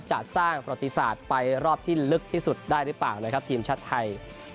จะสร้างประติศาสตร์ไปรอบที่ลึกที่สุดได้หรือเปล่านะครับทีมชาติไทย